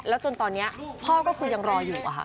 จนตอนนี้พ่อก็คือยังรออยู่